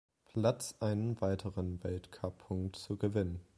Platz einen weiteren Weltcup-Punkt gewinnen.